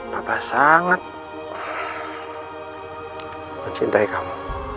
papa sangat mencintai kamu